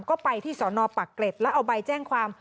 ก็ไปที่สอนอปรักเกร็ดแล้วเอาใบแจ้งความ